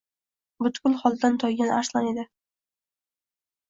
Butkul holdan toygan Arslon edi.